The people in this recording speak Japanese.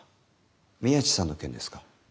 宮地さんの件ですか？